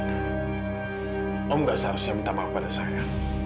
kamu tidak harus minta maaf pada saya